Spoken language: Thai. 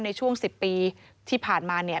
ในช่วง๑๐ปีที่ผ่านมาเนี่ย